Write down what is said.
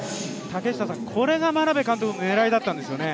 これが眞鍋監督の狙いだったんですよね？